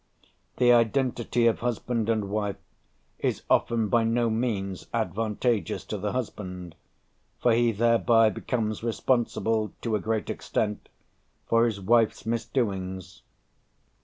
The identity of husband and wife is often by no means advantageous to the husband, for he thereby becomes responsible, to a great extent, for his wife's misdoings.